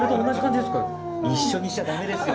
一緒にしちゃ駄目ですよ